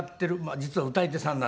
実は歌い手さんなんですけど。